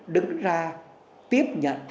đứng ra tiếp nhận